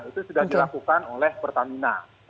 itu sudah dilakukan oleh pertamina